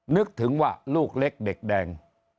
นึกถึงว่าลูกเล็กเด็กแดง